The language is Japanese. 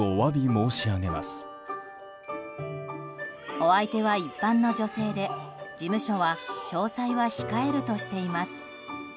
お相手は一般の女性で事務所は詳細は控えるとしています。